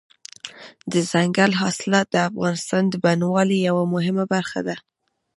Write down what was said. دځنګل حاصلات د افغانستان د بڼوالۍ یوه مهمه برخه ده.